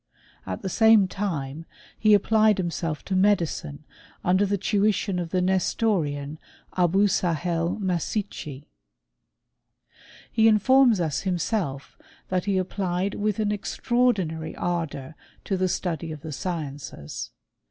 At the Same time he applied himself to medicine, under the tuition of the Nestorian, Abou Sahel Masichi. He 134 BtSTOftT or CHEMlSTRr. informs us himself that he applied with an extraordU nary ardour to the study of the sciences.